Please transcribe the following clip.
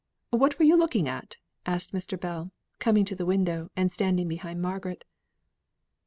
What are you looking at?" asked Mr. Bell, coming to the window, and standing behind Margaret.